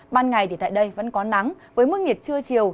ban ngày thì tại đây vẫn có nắng với mức nhiệt trưa chiều